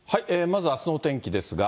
まずあすのお天気ですが。